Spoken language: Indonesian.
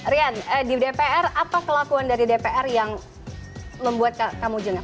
rian di dpr apa kelakuan dari dpr yang membuat kamu jengat